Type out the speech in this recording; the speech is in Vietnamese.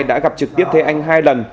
đã gặp trực tiếp thế anh hai lần